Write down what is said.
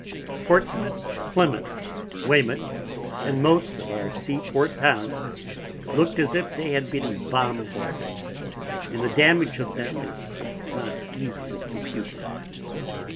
Portsmouth, Plymouth, Weymouth, and most of our Sea Port Towns look'd as if they had been Bombarded, and the Damage of them is not easily computed.